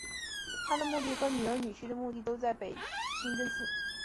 她的墓地和女儿女婿的墓地都在此清真寺。